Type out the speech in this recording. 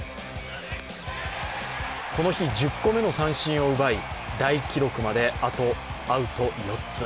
この日１０個目の三振を奪い大記録まであとアウト４つ。